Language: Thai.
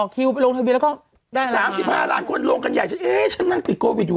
คิวไปโรงทะเบียแล้วก็สามสิบห้าลานคนลงกันใหญ่เอ๊ฉันนั่งติดโควิดอยู่